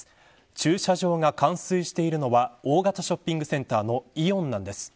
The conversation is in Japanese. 駐車場が冠水しているのは大型ショッピングセンターのイオンなんです。